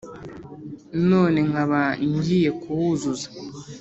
none nkaba ngiye kuwuzuza ?